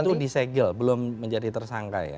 itu disegel belum menjadi tersangka ya